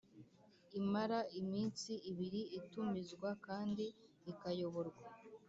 imara iminsi ibiri itumizwa kandi ikayoborwa